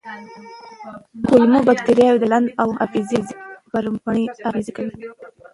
کولمو بکتریاوې د چلند او حافظې پر بڼې اغېز کوي.